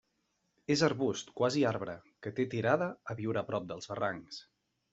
És arbust, quasi arbre, que té tirada a viure a prop dels barrancs.